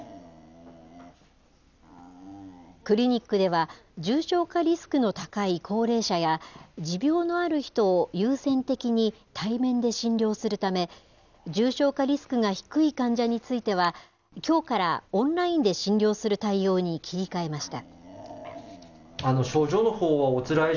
クリニックでは、重症化リスクの高い高齢者や、持病のある人を優先的に対面で診療するため、重症化リスクが低い患者については、きょうからオンラインで診療する対応に切り替えました。